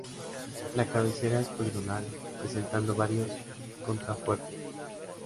La cabecera es poligonal, presentando varios contrafuertes.